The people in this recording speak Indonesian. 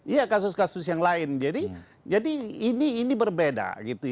iya kasus kasus yang lain jadi ini berbeda